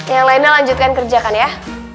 yang lainnya lanjutkan kerjakan ya